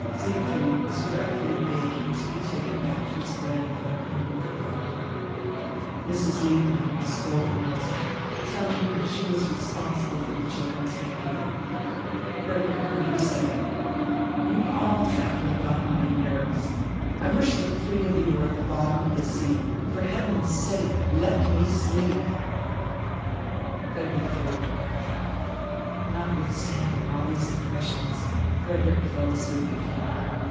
Siegfried was fretfully begging to be taken back to his grandmother in Luckenwalde. Mrs. Liebling was scolding Rosa, telling her she was responsible for the children's behaviour. Frederick heard her say: "You all trample about on my nerves. I wish the three of you were at the bottom of the sea. For heaven's sake, let me sleep!" XXXIII Notwithstanding all these impressions, Frederick fell asleep again.